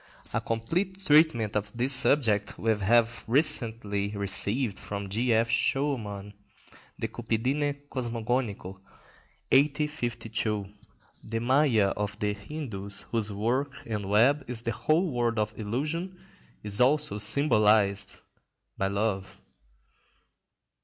A complete treatment of this subject we have recently received from G. F. Schœmann, "De Cupidine Cosmogonico," 1852. The Mâya of the Hindus, whose work and web is the whole world of illusion, is also symbolised by love.